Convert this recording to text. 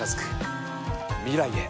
未来へ。